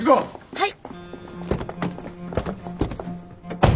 はい。